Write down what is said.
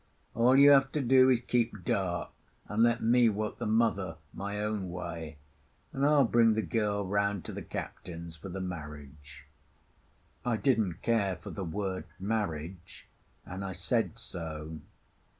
All you have to do is to keep dark and let me work the mother my own way; and I'll bring the girl round to the captain's for the marriage." I didn't care for the word marriage, and I said so.